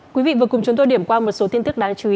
quý vị vừa cùng chúng tôi điểm qua một số tin tức đáng chú ý